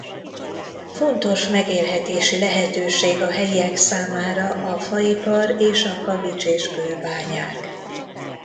Fontos megélhetési lehetőség a helyiek számára a faipar és a kavics- és kőbányák.